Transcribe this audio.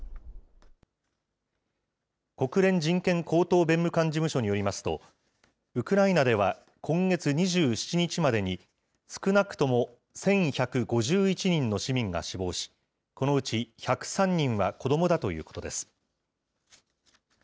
国連人権高等弁務官事務所によりますとウクライナでは今月２７日までに、少なくとも１１５１人の市民が死亡し、このうち１０３人は子どもだということです。